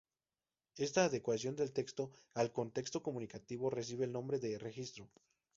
Esta adecuación del texto al contexto comunicativo recibe el nombre de registro.